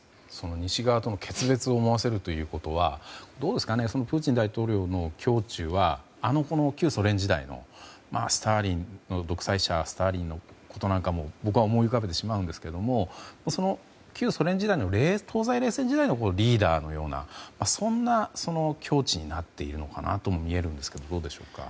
西側との決別を思わせるということはプーチン大統領の胸中はあの旧ソ連時代の独裁者スターリンのことなんかも僕は思い浮かべてしまうんですがその旧ソ連時代東西冷戦時代のリーダーみたいな境地になっているのかなとも見えるんですけどどうでしょうか？